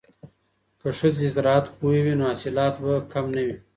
که ښځې زراعت پوهې وي نو حاصلات به کم نه وي.